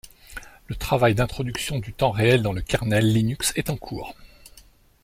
Le travail d'introduction du temps réel dans le kernel Linux est en cours.